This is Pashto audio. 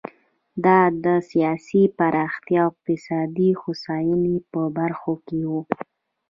دا د سیاسي پراختیا او اقتصادي هوساینې په برخو کې و.